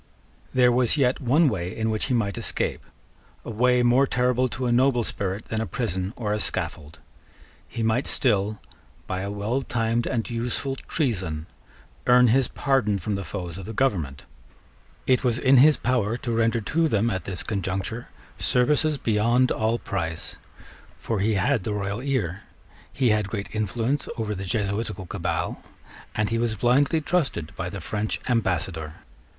There was yet one way in which he might escape, a way more terrible to a noble spirit than a prison or a scaffold. He might still, by a well timed and useful treason, earn his pardon from the foes of the government. It was in his power to render to them at this conjuncture services beyond all price: for he had the royal ear; he had great influence over the Jesuitical cabal; and he was blindly trusted by the French Ambassador.